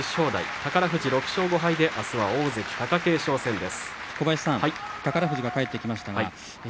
宝富士６勝５敗であす大関貴景勝戦です。